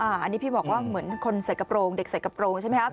อันนี้พี่บอกว่าเหมือนคนใส่กระโปรงเด็กใส่กระโปรงใช่ไหมครับ